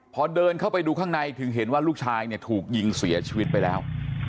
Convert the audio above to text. พอเดินเข้าไปดูข้างในถึงเห็นว่าลูกชายเนี่ยถูกยิงเสียชีวิตไปแล้ว